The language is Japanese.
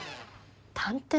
探偵？